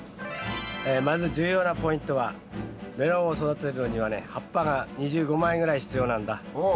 まず重要なポイントはメロンを育てるのにはね葉っぱが２５枚ぐらい必要なんだ。